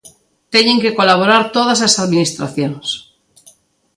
Teñen que colaborar todas as administracións.